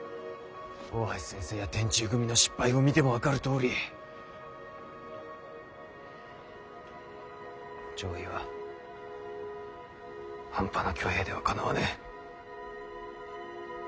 大橋先生や天誅組の失敗を見ても分かるとおり攘夷は半端な挙兵ではかなわねぇ。